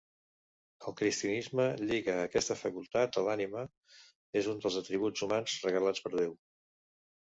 El cristianisme lliga aquesta facultat a l'ànima, és un dels atributs humans regalats per Déu.